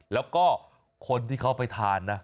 แล้วก็คนที่เขาไปทานนะ